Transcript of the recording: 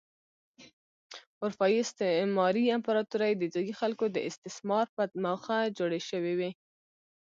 اروپايي استعماري امپراتورۍ د ځايي خلکو د استثمار په موخه جوړې شوې وې.